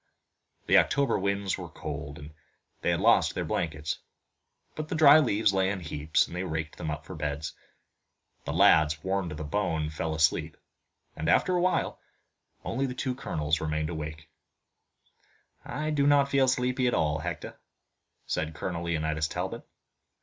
The October winds were cold, and they had lost their blankets, but the dry leaves lay in heaps, and they raked them up for beds. The lads, worn to the bone, fell asleep, and, after a while, only the two colonels remained awake. "I do not feel sleepy at all, Hector," said Colonel Leonidas Talbot.